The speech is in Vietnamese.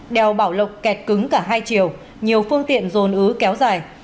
đèo bảo lộc kẹt cứng cả hai chiều nhiều phương tiện dồn ứ kéo dài